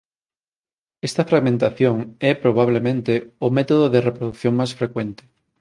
Esta fragmentación é probabelmente o método de reprodución máis frecuente.